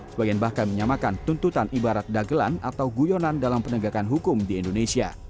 sebagian bahkan menyamakan tuntutan ibarat dagelan atau guyonan dalam penegakan hukum di indonesia